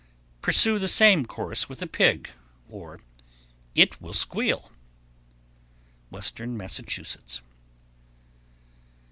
Pursue the same course with a pig, or it will squeal. _Western Massachusetts.